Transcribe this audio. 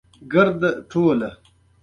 موټر له خلکو سره ازادي برابروي.